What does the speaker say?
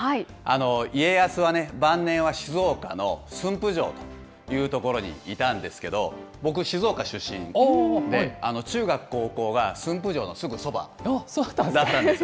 家康はね、晩年は静岡の駿府城という所にいたんですけど、僕、静岡出身で、中学、高校は、駿府城のすぐそばだったんですよ。